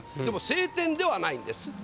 でも晴天ではないんです。